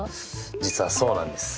実はそうなんです。